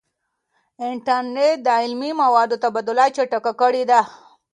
انټرنیټ د علمي موادو تبادله چټکه کړې ده.